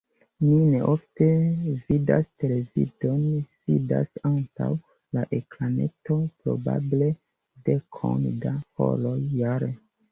Mi neofte vidas televidon, sidas antaŭ la ekraneto probable dekon da horoj jare.